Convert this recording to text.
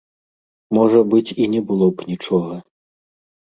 Можа быць, і не было б нічога.